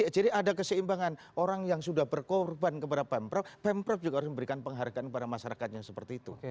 jadi ada keseimbangan orang yang sudah berkorban kepada pemprov pemprov juga harus memberikan penghargaan kepada masyarakat yang seperti itu